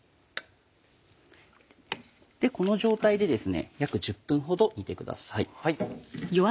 この状態でですね約１０分ほど煮てください。